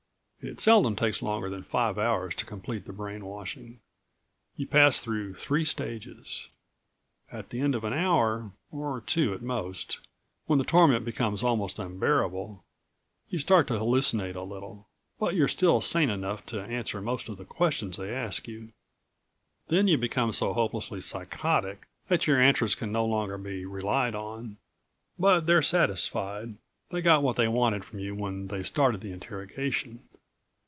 It seldom takes longer than five hours to complete the brain washing. You pass through three stages. At the end of an hour or two, at most when the torment becomes almost unbearable you start to hallucinate a little, but you're still sane enough to answer most of the questions they ask you. Then you become so hopelessly psychotic that your answers can no longer be relied on. But they're satisfied, they've got what they wanted from you when they started the interrogation.